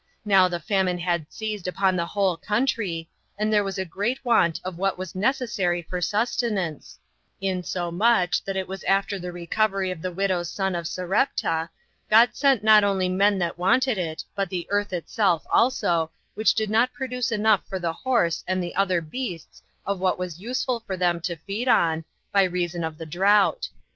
Now the famine had seized upon the whole country, and there was a great want of what was necessary for sustenance, insomuch that it was after the recovery of the widow's son of Sarepta, God sent not only men that wanted it, but the earth itself also, which did not produce enough for the horse and the other beasts of what was useful for them to feed on, by reason of the drought.